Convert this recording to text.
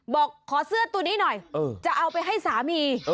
บอกขอเสื้อตัวนี้หน่อยจะเอาไปให้สามี